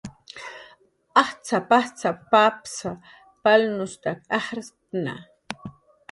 "Ajtz'ap"" ajtz'ap"" papas palnushtak ajshktna"